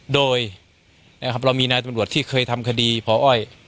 โดยเรามีนายตำรวจที่เคยทำคดีพออ้อย